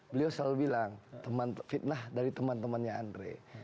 beliau selalu bilang fitnah dari teman temannya andre